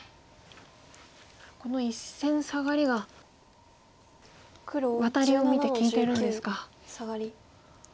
この１線サガリがワタリを見て利いてるんですか。